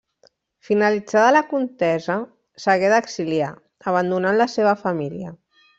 Finalitzada la contesa s'hagué d'exiliar, abandonant la seva família.